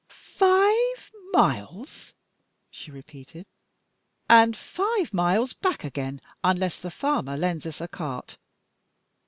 "Five miles!" she repeated. "And five miles back again, unless the farmer lends us a cart.